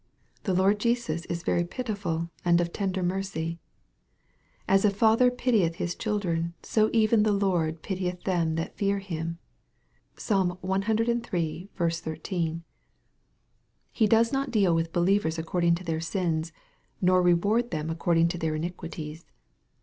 The Lord Jesus is very pitiful and of tender mercy. " As a father pitieth his children, even so the Lord pitieth them that fear Him." (Psalm ciii. 13.) He does not deal with be lievers according to their sins, nor reward them accord ing to their iniquities.